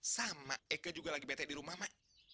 sama aku juga lagi bete di rumah mak